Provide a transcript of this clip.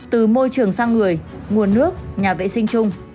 từ môi trường sang người nguồn nước nhà vệ sinh chung